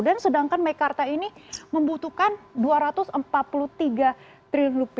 dan sedangkan mekarta ini membutuhkan dua ratus empat puluh tiga triliun